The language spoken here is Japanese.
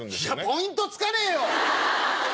ポイントつかねえよ！